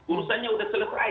urusannya sudah selesai